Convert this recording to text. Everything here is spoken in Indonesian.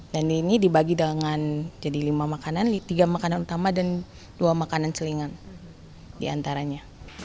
dan ini dibagi dengan jadi lima makanan tiga makanan utama dan dua makanan selingan diantaranya